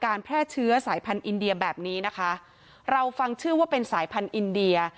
แพร่เชื้อสายพันธุ์อินเดียแบบนี้นะคะเราฟังชื่อว่าเป็นสายพันธุ์อินเดีย